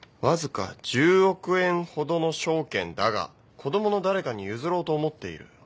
「わずか十億円ほどの証券だが子どもの誰かに譲ろうと思っている」